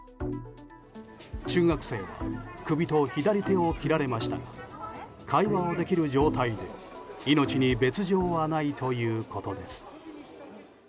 中学生は首と左手を切られましたが会話はできる状態で命に別条はないということです。